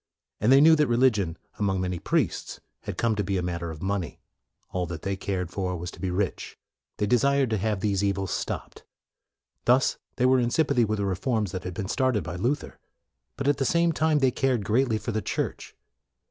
And they knew that religion, among many priests, had come to be a matter of money; all that they cared for was to be rich. They desired to have these evils stopped. Thus they were in sympathy with the reforms which had been started by Luther. But, at the same time, they cared greatly for the Church.